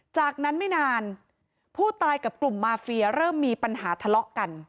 จากนั้นไม่นานผู้ตายกับกลุ่มมาเฟียเริ่มมีปัญหาทะเลาะกัน